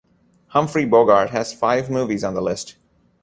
Humphrey Bogart has five movies on the list.